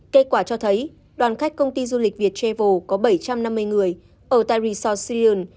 kết quả cho thấy đoàn khách công ty du lịch việt travel có bảy trăm năm mươi người ở tay resort silian